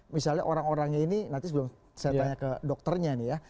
misalnya orang orangnya ini nanti sebelum saya tanya ke dokternya nih ya